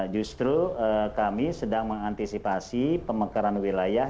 justru kami sedang mengantisipasi pemekaran wilayah